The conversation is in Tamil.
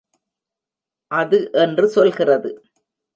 அது என்று சொல்கிறது.